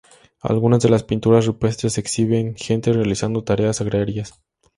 Algunas de las pinturas rupestres exhiben gente realizando tareas agrarias.